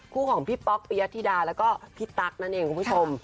ของพี่ป๊อกปียธิดาแล้วก็พี่ตั๊กนั่นเองคุณผู้ชม